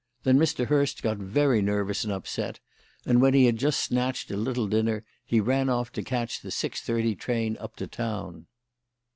Then Mr. Hurst got very nervous and upset, and when he had just snatched a little dinner he ran off to catch the six thirty train up to town."